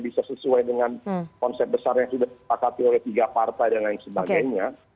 bisa sesuai dengan konsep besar yang sudah dipakati oleh tiga partai dan lain sebagainya